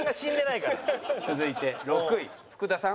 続いて６位福田さん。